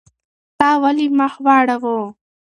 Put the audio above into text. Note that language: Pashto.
تا ولې مخ واړاوه؟